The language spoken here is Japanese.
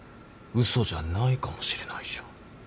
嘘じゃないかもしれないじゃん。